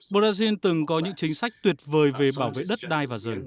brazil từng có những chính sách tuyệt vời về bảo vệ đất đai và rừng